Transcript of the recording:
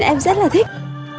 và em rất là thích